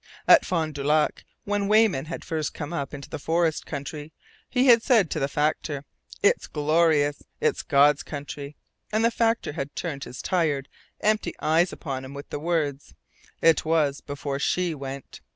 At Fond du Lac, when Weyman had first come up into the forest country, he had said to the factor: "It's glorious! It's God's Country!" And the factor had turned his tired, empty eyes upon him with the words: "It was before SHE went.